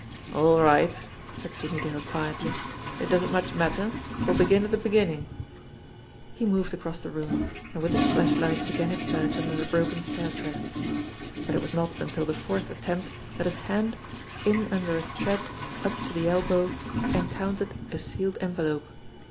"All right!" said Jimmie Dale quietly. "It doesn't much matter. We'll begin at the beginning." He moved across the room, and with his flashlight began his search under the broken stair treads. But it was not until the fourth attempt that his hand, in under a tread up to the elbow, encountered a sealed envelope.